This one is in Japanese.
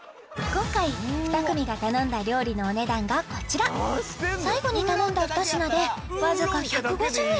今回２組が頼んだ料理のお値段がこちら最後に頼んだ２品でわずか１５０円